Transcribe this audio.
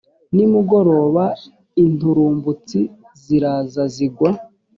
nimugoroba inturumbutsi ziraza zigwa